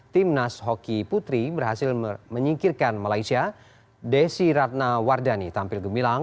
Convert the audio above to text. timnas hoki putri berhasil menyingkirkan malaysia desi ratna wardani tampil gemilang